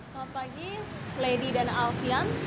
selamat pagi lady dan alfian